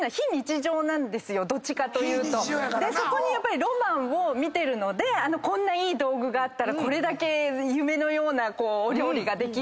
そこにロマンを見てるのでこんないい道具があったら夢のようなお料理ができるとか。